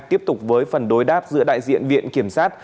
tiếp tục với phần đối đáp giữa đại diện viện kiểm sát